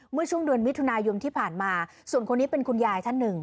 เมื่อช่วงเดือนมิถุนายนที่ผ่านมาส่วนคนนี้เป็นคุณยายท่านหนึ่ง